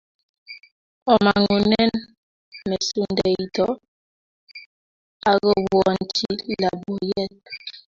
Omang'unen mesundeito agobwonchi loboyet.